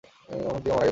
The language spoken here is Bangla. আমার দিদিমা মারা গেছেন।